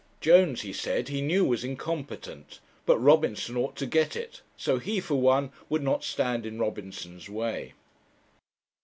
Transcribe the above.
Jones, he said, he knew was incompetent, but Robinson ought to get it; so he, for one, would not stand in Robinson's way.